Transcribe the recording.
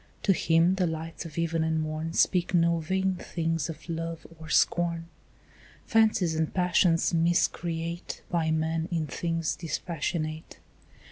To him the lights of even and morn Speak no vain things of love or scorn, Fancies and passions miscreate By man in things dispassionate.